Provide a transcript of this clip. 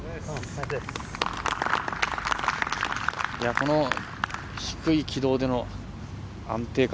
この低い軌道での安定感。